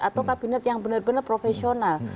atau kabinet yang benar benar profesional